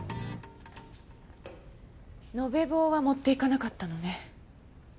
延べ棒は持っていかなかったのね。